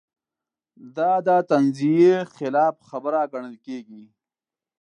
دا د تنزیې خلاف خبره ګڼل کېږي.